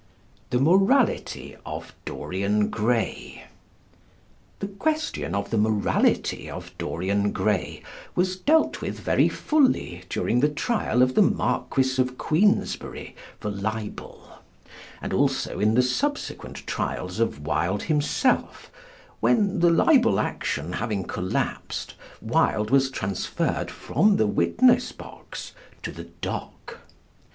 _THE MORALITY OF "DORIAN GRAY." The question of the morality of "Dorian Gray" was dealt with very fully during the trial of the Marquis of Queensberry for libel, and also in the subsequent trials of Wilde himself, when, the libel action having collapsed, Wilde was transferred from the witness box to the dock.